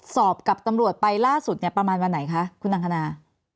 สอบกับตำรวจไปล่าสุดเนี่ยประมาณวันไหนคะคุณนังคณา